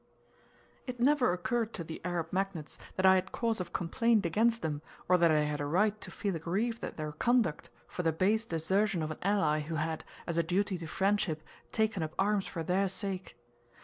It never occurred to the Arab magnates that I had cause of complaint against them, or that I had a right to feel aggrieved at their conduct, for the base desertion of an ally, who had, as a duty to friendship, taken up arms for their sake.